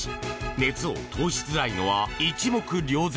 熱を通しづらいのは一目瞭然！